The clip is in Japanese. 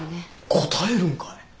答えるんかい。